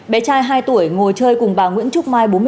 bé trai hai tuổi ngồi chơi cùng bà nguyễn trúc mai